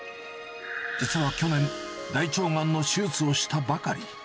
実は去年、大腸がんの手術をしたばかり。